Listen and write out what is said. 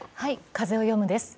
「風をよむ」です。